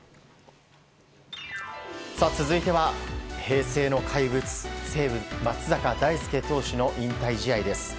続いては、平成の怪物西武、松坂大輔投手の引退試合です。